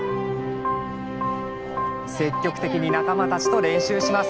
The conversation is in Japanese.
積極的に仲間たちと練習します。